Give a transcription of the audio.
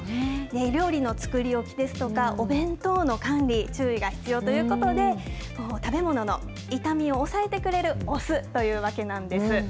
料理の作り置きですとか、お弁当の管理、注意が必要ということで、食べ物の傷みを抑えてくれるお酢というわけなんです。